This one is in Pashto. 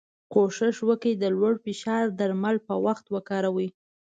کوښښ وکړی د لوړ فشار درمل په وخت وکاروی.